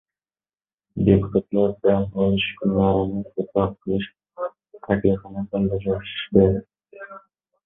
Deputatlar dam olish kunlarini ko‘proq qilish taklifini bildirishdi